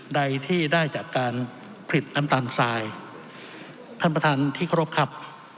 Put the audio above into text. ใดที่ได้จากการผลิตน้ำตาลทรายท่านประธานที่เคารพครับ